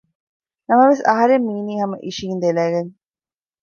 ނަމަވެސް އަހަރެން މީނީ ހަމަ އިށިއިނދެލައިގެން